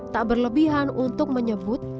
tak berlebihan untuk menyebut